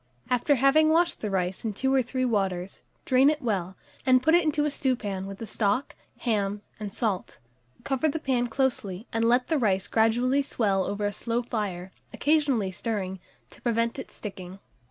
After having washed the rice in two or three waters, drain it well, and put it into a stewpan with the stock, ham, and salt; cover the pan closely, and let the rice gradually swell over a slow fire, occasionally stirring, to prevent its sticking.